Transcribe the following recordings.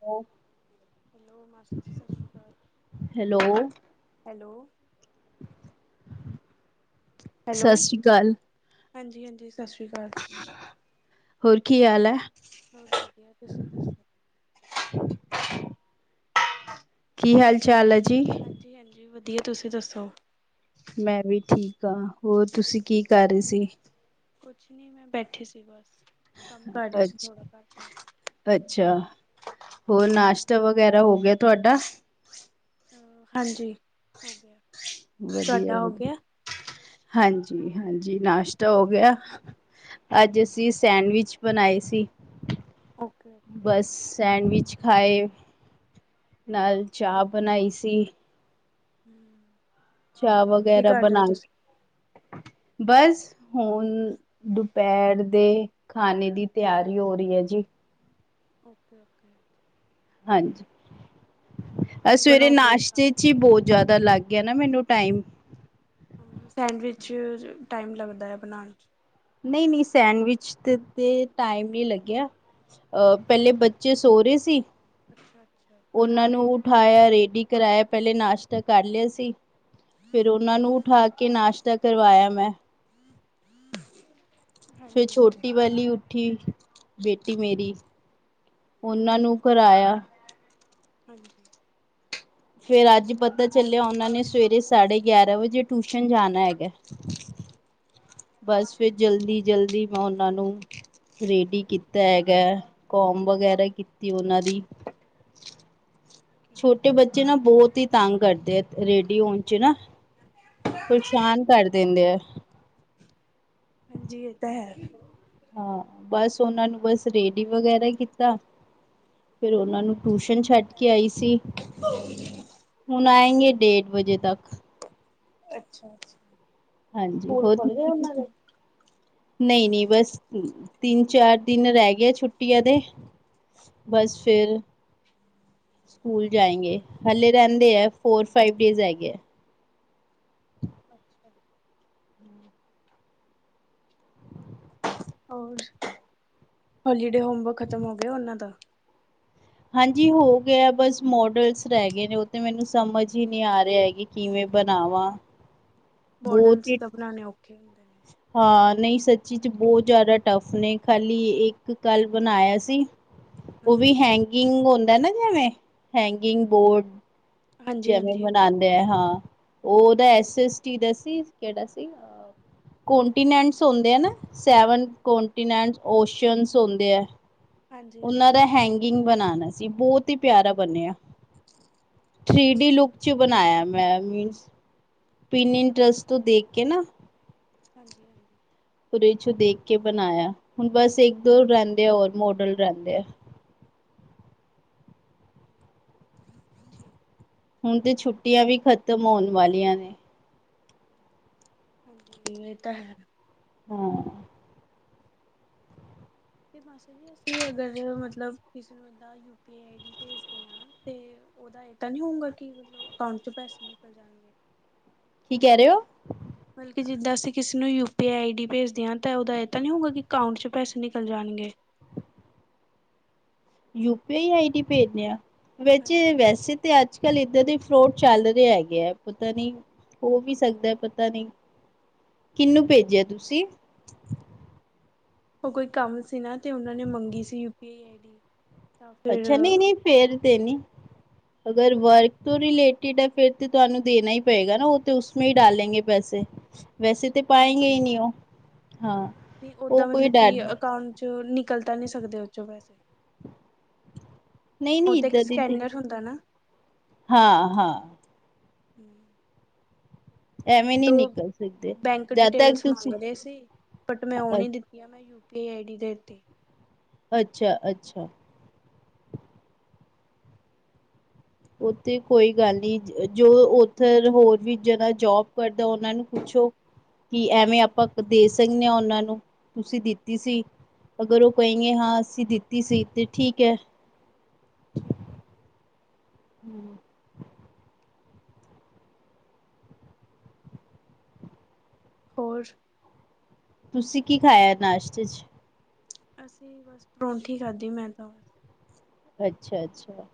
Hello, master ਜੀ, ਸਤਿ ਸ਼੍ਰੀ ਅਕਾਲ ਹੈਲੋ, ਹੈਲੋ। ਸਤਿ ਸ੍ਰੀ ਅਕਾਲ। ਹਾਂਜੀ ਹਾਂਜੀ ਸਤਿ ਸ੍ਰੀ ਅਕਾਲ। ਹੋਰ ਕੀ ਹਾਲ ਹੈ? ਹੋਰ ਵਧੀਆ ਤੁਸੀਂ ਦੱਸੋ? ਕੀ ਹਾਲ ਚਾਲ ਹੈ। ਜੀ? ਹਾਂਜੀ ਹਾਂਜੀ ਵਧੀਆ ਤੁਸੀਂ ਦੱਸੋ? ਮੈਂ ਵੀ ਠੀਕ ਹਾਂ ਹੋਰ ਤੁਸੀਂ ਕੀ ਕਰ ਰਹੀ ਸੀ। ਕੁਛ ਨੀ ਮੈਂ ਬੈਠੀ ਸੀ ਬਸ। ਕੰਮ ਕਰ ਰਹੀ ਸੀ ਅੱਛ ਥੋੜਾ ਘਰ ਦਾ ਅੱਛਾ। ਹੋਰ ਨਾਸ਼ਤਾ ਵਗੈਰਾ ਹੋ ਗਿਆ ਤੁਹਾਡਾ? ਹ ਹਾਂਜੀ ਹੋ ਗਿਆ। ਵਧੀਆ ਤੁਹਾਡਾ ਹੋ ਵਧੀਆ ਗਿਆ? ਹਾਂਜੀ ਹਾਂਜੀ ਨਾਸ਼ਤਾ ਹੋ ਗਿਆ। ਅੱਜ ਅਸੀਂ ਸੈਂਡਵਿਚ ਬਣਾਏ ਸੀ। ਓਕੇ-ਓਕੇ ਬਸ ਸੈਂਡਵਿਚ ਖਾਏ ਨਾਲ ਚਾਹ ਬਣਾਈ ਸੀ। ਹਮ। ਚਾਹ ਵਗੈਰਾ ਬਣਾ ਬਸ ਹੁਣ ਦੁਪਹਿਰ ਦੇ ਖਾਣੇ ਦੀ ਤਿਆਰੀ ਹੋ ਰਹੀ ਹੈ ਜੀ। Okay okay. ਹਾਂਜੀ ਅਹ ਕੀ ਸਵੇਰੇ ਬਣਾਓਗੇ? ਨਾਸ਼ਤੇ ਚ ਹੀ ਬਹੁਤ ਜ਼ਿਆਦਾ ਦਾ ਲੱਗ ਗਿਆ ਨਾ ਮੈਨੂੰ ਟਾਈਮ ਸੈਂਡਵਿਚ ਟਾਈਮ ਲੱਗਦਾ ਹੈ ਬਣਾਣ ਨਹੀਂ ਨਹੀਂ ਸੈਂਡਵਿਚ ਤੇ ਟਾਈਮ ਨਹੀਂ ਲੱਗਿਆ ਅਹ ਪਹਿਲੇ ਬੱਚੇ ਸੋ ਰੇ ਸੀ ਅੱਛਾ-ਅੱਛਾ ਉਹਨਾਂ ਨੂੰ ਉਠਾਇਆ ਰੇਡੀ ਕਰਵਾਾਇਆ ਪਹਿਲੇ ਨਾਸ਼ਤਾ ਕਰ ਲਿਆ ਸੀ ਫੇਰ ਉਹਨਾਂ ਨੂੰ ਉਠਾ ਕੇ ਨਾਸ਼ਤਾ ਕਰਵਾਇਆ ਮੈਂ ਹੂੰ ਫੇਰ ਛੋਟੀ ਵਾਲੀ ਉੱਠੀ ਬੇਟੀ ਮੇਰੀ ਉਹਨਾਂ ਨੂੰ ਕਰਾਇਆ ਹਾਂਜੀ ਫੇਰ ਅੱਜ ਪਤਾ ਚੱਲਿਆ ਉਹਨਾਂ ਨੇ ਸਵੇਰੇ ਸਾਢੇ ਗਿਆਰਾਂ ਵਜੇ ਟਿਊਸ਼ਨ ਜਾਣਾ ਹੈਗਾ ਬਸ ਹਾਂਜੀ ਫਿਰ ਜਲਦੀ ਜਲਦੀ ਮੈਂ ਉਹਨਾਂ ਨੂੰ ਰੇਡੀ ਕੀਤਾ ਹੈਗਾ ਹੈ ਕੌਮ ਵਗੈਰਾ ਕੀਤੀ ਉਹਨਾਂ ਦੀ ਛੋਟੇ ਬੱਚੇ ਨਾ ਅੱਛਾ ਬਹੁਤ ਹੀ ਤੰਗ ਕਰਦੇ ਆ ਰੇਡੀਓ ਚ ਨਾ ਪਰੇਸ਼ਾਨ ਕਰ ਦਿੰਦੇ ਆ ਹਾਂਜੀ ਇਹ ਤਾਂ ਹੈ ਹਾਂ ਬਸ ਉਹਨਾਂ ਨੂੰ ਬਸ ਰੇਡੀ ਵਗੈਰਾ ਕੀਤਾ ਫਿਰ ਉਹਨਾਂ ਨੂੰ ਟਿਊਸ਼ਨ ਛੱਡ ਕੇ ਆਈ ਸੀ ਹੁਣ ਆਏਂ ਗੇ ਡੇਢ ਵਜੇ ਤੱਕ ਅੱਛਾ ਅੱਛਾ। ਹਾਂਜੀ ਸਕੂਲ ਹੋਰ। ਖੁੱਲ ਗਏ ਉਹਨਾਂ ਦੇ ਨਹੀਂ ਨਹੀਂ ਬਸ ਤਿੰਨ ਚਾਰ ਦਿਨ ਰਹਿ ਗਏ ਛੁੱਟੀਆਂ ਦੇ ਬਸ ਫਿਰ। ਸਕੂਲ ਜਾਏਗੇ ਹਲੇੇ ਰਹਿੰਦੇ ਹੈ ਫੋਰ ਫਾਈਵ ਡੇਜ਼ ਹੈਗੇ ਹੈ। ਹੋਰ ਹੋਲੀਡੇ ਹੋਮਵਰਕ ਖਤਮ ਹੋ ਗਿਆ ਉਹਨਾਂ ਦਾ। ਹਾਂਜੀ ਹੋ ਗਿਆ ਬਸ ਮੋਡਲਸ ਰਹਿ ਗਏ ਨੇ ਉਹ ਤੇ ਮੈਨੂੰ ਸਮਝ ਹੀ ਨਹੀਂ ਆ ਰਿਹਾ ਹੈ। ਕਿਵੇਂ ਬਣਾਵਾਂ। ਬਹੁਤ ਮੋਡਲ ਹੀ ਸੀ ਤਾਂ ਬਣਾਉਣੇ ਔਖੇ। ਨੇ ਹਾਂ। ਨਹੀਂ ਸੱਚੀ ਚ ਬਹੁਤ ਜ਼ਿਆਦਾ ਟਫ ਨੇ ਖਾਲੀ ਇੱਕ ਕੱਲ ਬਣਾਇਆ ਸੀ। ਉਹ ਵੀ ਹਾਂਜੀ ਹੈਂਗਿੰਗ ਹੁੰਦਾ ਨਾ ਜਿਵੇਂ ਹੈਂਗਿੰਗ ਬੋਰਡ ਹਾਂਜੀ ਹਾਂਜੀ ਜਿਵੇਂ ਮਨਾਉਂਦੇ ਆ ਹਾਂ ਉਹਦਾ ਐਸ ਐਸ ਟੀ ਦਾ ਸੀ ਕਿਹੜਾ ਸੀ। ਕੋਂਟੀਨੈਂਟਸ ਹੁੰਦੇ ਆ ਨਾ ਸੈਵਨ ਕੋਂਟੀਨੈਂਟ ਕੁਸ਼ਚਨਸ ਹੁੰਦੇ ਹੈ। ਹਾਂਜੀ ਉਹਨਾਂ ਹਾਂਜੀ ਦਾ ਹੈਂਗਿੰਗ ਬਣਾਣਾ ਸੀ ਬਹੁਤ ਹੀ ਪਿਆਰਾ ਬਣਿਆ ਥ੍ਰੀ ਡੀ ਓਕੇ ਲੁਕ ਚ ਬਣਾਇਆ ਮੈਂ ਮੀਨਸ ਪਿੰਨ ਇੰਟਰਸ ਤੋਂ ਦੇਖ ਕੇ ਨਾ ਹਾਂਜੀ ਹਾਂਜੀ ਵਿੱਚ ਦੇਖ ਕੇ ਬਣਾਇਆ ਹੁਣ ਬਸ ਇੱਕ ਦੋ ਰਹਿੰਦੇ ਆ ਹੋਰ ਮੋਡਲ ਰਹਿੰਦੇ ਆ ਨਹੀਂ ਹੁਣ ਤੇ ਛੁੱਟੀਆਂ ਵੀ ਖ਼ਤਮ ਹੋਣ ਵਾਲੀਆਂ ਨੇ। ਹਾਂ ਇਹ ਤਾਂ ਹੈ। ਹਾਂ ਬਸ ਅਸੀ ਅਗਰ ਮਤਲਬੇ ਨੂੰ ਯ ਪੀ ਭੇਜਦੇ ਹ। ਉਹਦਾ ਇਹ ਤਾਂ ਨੀ ਹੋਊਗਾ ਕਿ ਮਤਲਬ ਅਕਾਊਂਟ ਚ ਪੈਸੇ ਨਿਕਲ ਜਾਣਗੇ। ਕੀ ਕਹਿ ਰਹੇ ਹੋ। ਮਤਲਬ ਜਿੱਦਾਂ ਅਸੀਂ ਕਿਸੇ ਨੂੰ U P I I D ਭੇਜਦੇ ਹਾਂ ਤਾਂ ਉਹਦਾ ਇਹ ਤਾਂ ਨੀ ਹੋਊਗਾ ਕਿ ਅਕਾਂਟ ਚ ਪੈਸੇ ਨਿਕਲ ਜਾਣ। ਹਨੇ [unintelligible] ਯੂਪੀ ਆਈ ਆਈ ਡ ਭੇਜਦੇ ਆ ਹਾਂਜੀ ਹਾਂਜੀ ਵੈਸੇ ਤੇ ਅੱਜ ਕੱਲ ੱਦਾਂ ਦੇ ਫਰੋਡ ਚੱਲਦੇਹੇ ਹੈਗੇ ਹੈ ਪਤਾ ਨਹੀਂੀ ਹੋ ਵੀ ਸਕਦਾ ਪਤਾ ਨਹੀਂ। ਕਿਹਨੂੰ ਅੱਛਾ ਭੇਜਿਆ ਤੁਸੀਂ। ਉਹ ਕੋਈ ਕੰਮ ਸੀ ਨਾ ਤੇ ਉਹਨਾਂ ਨੇ ਮੰਗੀ ਸੀ ਯੂਪੀ ਆਈ ਆਈ ਡ ਅੱਛਾ! ਨਹੀਂ ਨਹੀਂ ਫੇਰ ਤੇ ਨਹੀਂ। ਅਗਰ ਵਰਕ ਹਾਂਜੀ ਤੋਂ ਰਿਲੇਟ ਾ ਫੇਿਰ ਤੇ ਤੁਹਾਨੂੰ ਦੇਣਾ ਹੀ ਪਏਗਾ ਨਾ। ਉਹ ਤੇ ਉਸਮੇ ਹੀ ਡਾਲੇਂਗੇ ਪੈਸੇ। ਵੈਸੇ ਤਾਂ ਪਾਏਂਗੇੇ ਹੀ ਨਹੀਂ ਉਹ। ਹਾਂ ਵੀ ਉਹ ਓਦਾਂ ਕੋਈ ਮਤਲਬ ਕਿ! ਡਰ ਅਕਾਊਂਟ ਚ ਨਿਕਲ ਤਾਂ ਨਹੀਂ ਸਕਦੇ ਉਹ ਚੋਂ ਪੈਸੇ। ਨਹੀਂ ਉਹ ਨਹੀਂ ਤਾਂ ਇੱਕ ਇੱਦਾਂ ਦੀ! ਸਕੈਨਰ ਹੁੰਦਾ ਨਾ ਹਾਂ! ਹਾਂ! ਹੂੰ ਐਵੇਂ ਮੇਰੇ ਨਹੀਂ ਤੋਂ ਨਿਕਲ ਸਕਦੇ ਬੈਂਕ ਜਦ ਤੱਕ ਡਿਟੇਲਸ ਮੰਗ ਤੁਸੀਂ ਰਹੇ ਸੀ। ਬਟ! ਮੈਂ ਉਹ ਅ ਨੀ ਦਿੱਤੀਆਂ। ਮੈਂ ਪੇ ਆਈ ਡੀ ਦੇ ਦਿੱਤੀ। ਅੱਛਾ! ਅੱਛਾ! ਉੱਥੇ ਕੋਈ ਗੱਲ ਨੀ। ਜੋ ਉੱਥੇ ਹੋਰ ਵੀ ਜਨਾ ਜੋਬ ਕਰਦਾ ਉਹਨਾ ਨੂੰ ਕੁਛ ਪੁੱਛੋ! ਕਿ ਐਵੇਂ ਹਾਂਜੀ ਆਪਾਂ ਦੇ ਸਕਦੇ ਹਾਂ ਉਹਨਾਂ? ਨੂੰ ਤੁਸੀਂ ਦਿੱਤੀ ਸੀ? ਅਗਰ ਉਹ ਕਹਿੰਗੇ! ਹਾਂ! ਅਸੀਂ ਦਿੱਤੀ ਸੀ! ਤੇ ਠੀਕ ਹੈ। ਠੀਕ ਹੈ। ਹੂੰ ਹੋਰ? ਤੁਸੀਂ ਕੀ ਖਾਇਆ ਨਾਸ਼ਤੇ ਚ? ਅਸੀਂ ਬਸ ਪਰੋਂਂਠੀ ਖਾਧੀ ਮੈਂ ਤਾਂ। ਅੱਛਾ! ਅੱਛਾ!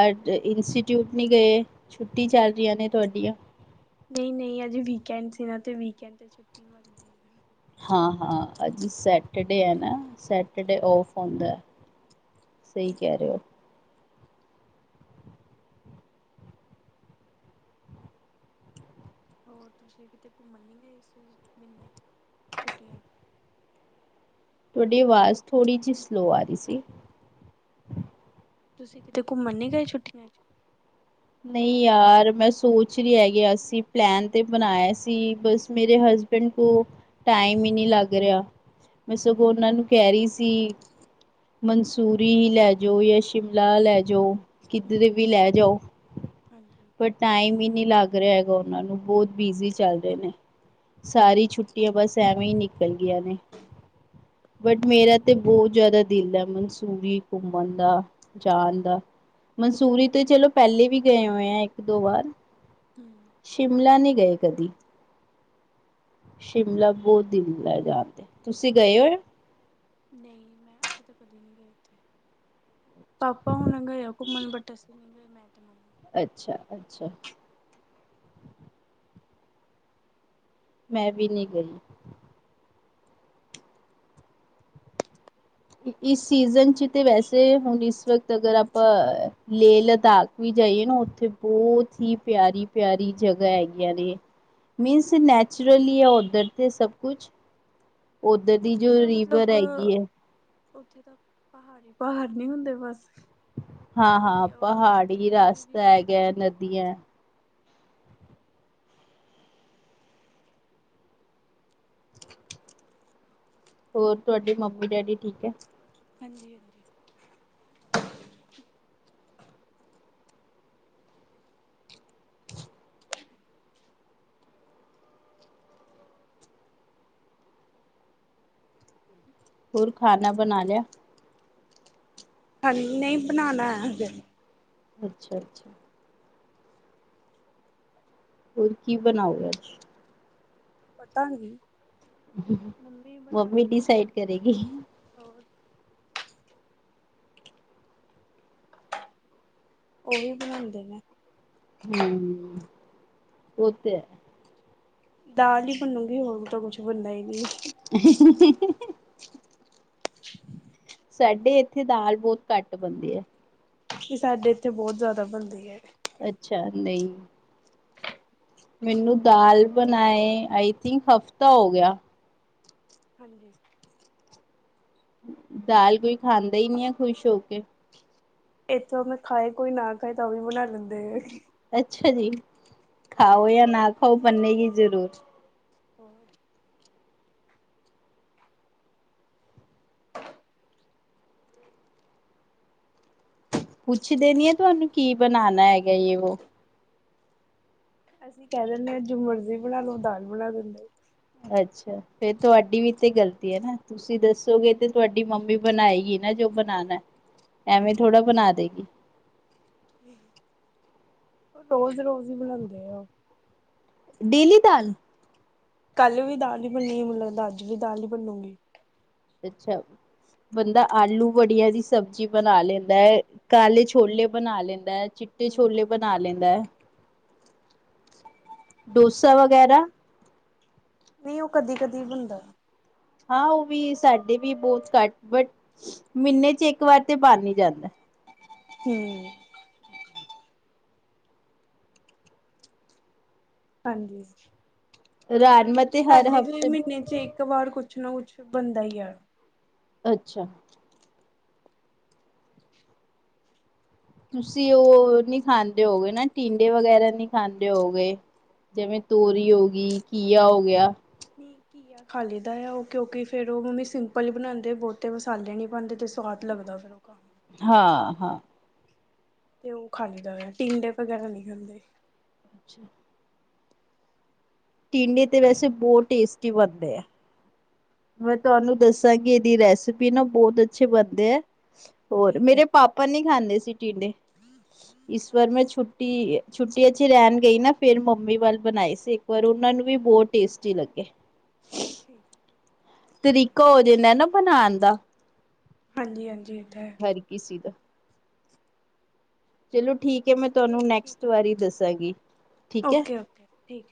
ਅੱਜ ਇੰਸਟੀਟਿਊਟ ਨਹੀਂ ਗਏ? ਛੁੱਟੀ ਚੱਲ ਰਹੀਆਂ ਨੇ ਤੁਹਾਡੀਆਂ? ਨਹੀਂ ਨਹੀਂ! ਅਜੇ ਵੀਕੰਡ ਸੀ ਨਾ। ਤੇ ਵੀਕਾਂਡ ਤੇ ਛੁੱਟੀ ਹਾਂ! ਹਾਂ! ਅੱਜ ਸੈਟਰਡੇ ਹੈ ਨਾ! ਸੈਟਰਡੇ ਔਫ ਹੁੰਦਾ। ਸਹੀ ਕਹਿ ਰਹੇ ਹੋ। ਹੋਰ ਤੁਸੀਂ ਕਿਤੇ ਘੁੰਮਣ ਨੀ ਗਏ ਇਸ ਮਹੀਨੇ ਛੁੱਟੀਆਂ ਚ? ਤੁਹਾਡੀ ਆਵਾਜ਼ ਥੋੜ੍ਹੀ ਜਿਹੀ ਸਲੋਅ ਆ ਰਹੀ ਸੀ। ਤੁਸੀਂ ਕਿਤੇ ਘੁੰਮਣ ਨੀ ਗਏ ਛੁੱਟੀਆਂ ਚ? ਨਹੀਂ ਯਾਰ! ਮੈਂ ਸੋਚ ਰਿਹਾ ਤੇ ਹੈਗਾ ਸੀ ਪਲੈਨ ਤੇ ਬਣਾਇਆ ਸੀ ਬਸ ਮੇਰੇ ਹ ਹਸਬੈਂਡ ਕੋ ਟਾਈਮ ਹੀ ਨਹੀਂ ਲੱਗ ਰਿਹਾ। ਮੈਂ ਸਗੋਂ ਉਹਨਾਂ ਨੂੰ ਕਹਿ ਰਹੀ ਸੀ ਮਨਸੂਰੀ ਹੀ ਲੈ ਜਾਓ ਜਾਂ ਸ਼ਿਮਲਾ ਲੈ ਜਾਓ। ਕਿਧਰੇ ਹੂੰ, ਵੀ ਲੈ ਜਾਓ। ਹਾਂਜੀ। ਪਰ ਟਾਈਮ ਹੀ ਨਹੀਂ ਲੱਗ ਲੱਗ ਰਿਹਾ ਹੈਗਾ ਉਹਨਾਂ ਨੂੰ। ਬਹੁਤ ਬਿਜੀ ਚੱਲ ਰਹੇ ਨੇ। ਸਾਰੀ ਛੁੱਟੀਆਂ ਬਸ ਐਵੇਂ ਹੀ ਨਿਕਲ ਗਈਆਂ ਨੇ। ਬਟ! ਮੇਰਾ ਤੇ ਬਹੁਤ ਜ਼ਿਆਦਾ ਦਿਲ ਹੈ। ਮਨਸੂਰੀ ਘੁੰਮਣ ਦਾ। ਜਾਣ ਦਾ। ਮਨਸੂਰੀ ਤੇ ਚਲੋ ਪਹਿਲੇ ਵੀ ਗਏ ਹੋਏ ਆ ਇੱਕ ਦੋ ਵਾਰ। ਹੂੰ, ਸ਼ਿਮਲਾ ਨਹੀਂ ਗਏ ਕਦੀ। ਸ਼ਿਮਲਾ ਬਹੁਤ ਦਿਲ ਕਰਦਾ ਜਾਣ ਦਾ। ਤੁਸੀਂ ਗਏ ਹੋਇਓ? ਨਹੀਂ! ਮੈਂ, ਅਸੀਂ ਤਾਂ ਕਦੀ ਨਹੀਂ ਗਏ ਇਥੇ। ਪਾਪਾ ਹੁਣ ਗਏ ਘੁੰਮਣ ਬਟ, ਅਸੀਂ ਨੀ ਗਏ। ਮੈਂ ਤੇ ਮੰਮੀ ਅੱਛਾ! ਅੱਛਾ! ਮੈਂ ਵੀ ਨਹੀਂ ਗਈ। ਇਸ ਸੀਜ਼ਨ ਚ! ਤੇ ਵੈਸੇ ਹੁਣ ਇਸ ਵਕਤ ਅਗਰ ਆਪਾਂ ਲੇਹ ਲੱਦਾਖ ਵਿ ਜਾਈਏ ਨਾ ਉੱਥੇ ਬਹੁਤ ਹੀ ਪਿਆਰੀ ਪਿਆਰੀ ਜਗ੍ਹਾ ਹੈਗੀਆਂ ਨੇ। ਮੀਨਸ ਨੈ ਨੈਚੁਰਲੀ ਹੈ ਅੱਛਾ-ਅੱਛਾ। ਉੱਧਰ ਤੇ ਸਭ ਕੁਛ। ਉਧਰ ਦੀ ਉੱਥੇ ਜੋ ਤਾਂ ਰੀਵਰ ਮਤਲਬ ਹੈਗੀ ਹੈ। ਉੱਥੇ ਤਾਂ, ਪਹਾੜ ਹੀ ਪਹਾੜ ਨੀ ਹੁੰਦੇ ਬਸ? ਹਾਂ ਹਾਂ! ਸੀ ਉਹੀ ਹੁੰਦੀ ਪਹਾੜੀ ਵਿਊ ਹੀ ਰਸਤਾ ਵਿਊ ਹੁੰਦਾ ਹੈਗਾ, ਬਸ। ਨਦੀਆਂ ਹੈ। ਹੋਰ, ਤੁਹਾਡੀ ਮੰਮੀ ਡੈਡੀ ਠੀਕ ਹੈ? ਹਾਂਜੀ ਹਾਂਜੀ! ਹੂੰ ਹੋਰ ਖਾਣਾ ਬਣਾ ਲਿਆ? ਹਾਂ ਨਹੀਂ ਬਣਾਣਾ ਹੈ ਹਜੇ ਅੱਛਾ- ਅੱਛਾ। ਹੋਰ ਕੀ ਬਣਾਓ ਗੇ ਅੱਜ? ਪਤਾ ਨੀ ਮੰਮੀ ਬਣਾਣਗੇ ਕੁਛ ਡਿਸਾਈਡ ਕਰੇਗੀ। ਹੋਰ। ਉਹ ਹੀ ਬਣਾਂਦੇ ਨੇ ਹੂੰ ੳਹ ਤੇ ਹੈ। ਦਾਲ ਹੀ ਬਨੂਗੀ ਹੋਰ ਤਾਂ ਕੁਛ ਬਣਦਾ ਹੀ ਨਹੀਂ [inaudible] [inaudible] ਸਾਡੇ ਇੱਥੇ ਦਾਲ ਬਹੁਤ ਘੱਟ ਬਣਦੀ ਹੈ। ਤੇ ਸਾਡੇ ਇੱਥੇ ਬਹੁਤ ਜ਼ਿਆਦਾ ਬਣਦੀ ਹੈ। ਅੱਛਾ, ਨਹੀਂ ਮੈਨੂੰ ਦਾਲ ਬਣਾਏ, ਆਈ ਥਿੰਕ ਹਫ਼ਤਾ ਹੋ ਗਿਆ। ਹਾਂਜੀ। ਦਾਲ ਕੋਈ ਖਾਂਦਾ ਹੀ ਨਹੀ ਹੈ ਖ਼ੁਸ਼ ਹੋ ਕੇ। ਇੱਥੋਂ ਤੇ ਖਾਏ ਕੋਈ ਨਾ ਖਾਏ ਤਾਂ ਵੀ ਬਣਾ ਲੈਂਦੇ ਨੇ। ਅੱਛਾ ਜੀ, ਖਾਓ ਜਾਂ ਨਾ ਖਾਓ ਬਨੇਗੀ ਜ਼ਰੂਰ। ਹੂੰ ਪੁੱਛਦੇ ਨੀ ਏ ਤੁਹਾਨੂੰ ਕੀ ਬਣਾਉਣਾ ਹੈਗਾ ਜੇ, ਵੋ? ਅਸੀਂ ਕਹ ਦਿੰਦੇ ਹਾਂ ਜੋ ਮਰਜ਼ੀ ਬਣਾ ਲੋ, ੳਹ ਦਾਲ ਬਣਾ ਦਿੰਦੇ ਏ। ਅੱਛਾ ਫੇਰ ਤੁਹਾਡੀ ਵੀ ਤੇ ਗਲਤੀ ਹੈ ਨਾ, ਤੁਸੀਂ ਦੱਸੋਗੇ ਤੇ ਤੁਹਾਡੀ ਮੰਮੀ ਬਣਾਏਗੀ ਨਾ ਜੋ ਬਨ ਬਣਾਣਾ ਐਵੇਂ ਥੋੜਾ ਬਣਾ ਦੇਗੀ। ਰੋਜ਼-ਰੋਜ਼ ਹੀ ਬਣਾਦੇ ਆ ਉਹ ਡੇਲੀ ਦਾਲ, ਕੱਲ ਵੀ ਦਾਲ ਹੀ ਬਨੀ, ਮੈਨੂੰ ਲੱਗਦਾ ਅੱਜ ਵੀ ਦਾਲ ਹੀ ਬਨੂਗੀ। ਅੱਛਾ। ਬੰਦਾ ਆਲੂ ਵੜੀਆਂ ਦੀ ਸਬਜ਼ੀ ਬਣਾ ਲੈਂਦਾ ਹੈ, ਕਾਲੇ ਛੋਲੇ ਬਣਾ ਲੈਂਦਾ ਹੈ। ਚਿੱਟੇ ਹੂੰ। ਛੋਲੇ ਬਣਾ ਲੈਂਦਾ ਹੈ। ਡੋਸਾ ਵਗੈਰਾ ਨਹੀਂ ਉਹ ਕਦੀ-ਕਦੀ ਬਨਦਾ ਹਾਂ ਉਹ ਵੀ ਸਾਡੇ ਵੀ ਬਹੁਤ ਘੱਟ, ਬਟ ਮਹੀਨੇ ਚ ਇੱਕ ਵਾਰ ਤੇ ਬਣ ਹੀ ਜਾਂਦਾ। ਹੂੰ ਹਾਂਜੀ। ਰਾਜਮਾ ਤੇ ਹਰ ਸਾਡੇ ਵੀ ਹਫ਼ਤੇ ਮਹੀਨੇ ਚ ਇੱਕ ਵਾਰ ਕੁਛ ਨਾ ਕੁਛ ਬਣਦਾ ਹੀ ਆ। ਅੱਛਾ ਤੁਸੀਂ ਉਹ ਨਹੀ ਖਾਂਦੇ ਹੋਵੋਗੇ ਨਾ ਟਿੰਡੇ ਵਗੈਰਾ ਨਹੀਂ ਖਾਂਦੇ ਹੋਗੇ। ਜਿਵੇਂ ਤੋਰੀ ਹੋ ਗੀ, ਘੀਆ ਹੋ ਗਿਆ। ਨਹੀਂ ਘੀਆ ਖਾ ਲਈ ਦਾ ਆ, ਉਹ ਕਿਉਂਕਿ ਫੇਰ ਉਹ ਮੰਮੀ ਸਿੰਪਲ ਹੀ ਬਣਾਦੇ ਏ, ਬਹੁਤੇ ਮਸਾਲੇ ਨੀ ਪਾਦੇ ਤੇ ਸਵਾਦ ਲੱਗਦਾ ਫੇਰ ਔ ਖਾਨ ਚ ਹਾਂ-ਹਾਂ, ਤੇ ਉਹ ਖਾ ਲਈ ਦਾ, ਟਿੰਡੇ ਵਗੈਰਾ ਨਹੀਂ ਖਾਂਦੇ। ਅੱਛਾ। ਟਿੰਂਡੇ ਤੇ ਵੈਸੇ ਬਹੁਤ ਟੇਸਟੀ ਬਨਦੇ ਆ। ਮੈਂ ਤੁਹਾਨੂੰ ਦੱਸਾਂਗੀ ਇਹਦੀ ਰੈਸਿਪੀ ਨਾ ਬਹੁਤ ਅੱਛੇ ਬਣਦੇ ਐ। ਹੋਰ ਠੀਕ ਹੈ। ਮੇਰੇ ਪਾਪਾ ਨੀ ਖਾਂਦੇ ਸੀ। ਟਿੰਡੇ, ਇਸ ਵਾਰ ਮੈਂ ਅੱਛਾ। ਛੁੱਟੀ-ਛੁੱਟੀਆਂ, ਰਹਿਣ ਗਈ ਨਾ ਫੇਰ ਮੰਮੀ ਵੱਲ ਬਣਾਏ ਸੀ ਇੱਕ ਵਾਰ ਉਹਨਾਂ ਨੂੰ ਵੀ ਬਹੁਤ ਟੇਸਟੀ ਲੱਗੇ। ਠੀਕ ਤਰੀਕਾ ਹੋ ਜਾਂਦਾ ਨਾ ਬਣਾਣ ਦਾ, ਹਾਂਜੀ-ਹਾਂਜੀ, ਹਰ ਕਿਸੀ ਦਾ, ਚਲੋ ਠੀਕ, ਮੈਂ ਤੁਹਾਨੂੰ ਚਲੋ ਠੀਕ ਨੈਕਸਟ ਹੈ। ਵਾਰੀ ਦੱਸਾਂਗੀ ਠੀਕ ਹੈ। ਓਕੇ ਓਕੇ ਠੀਕ ਹੈ।